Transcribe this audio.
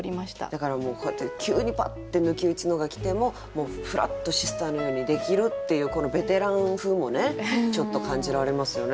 だからもうこうやって急にパッて抜き打ちのが来てももうふらっとシスターのようにできるっていうこのベテラン風もねちょっと感じられますよね？